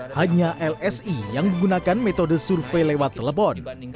hanya lsi yang menggunakan metode survei lewat telepon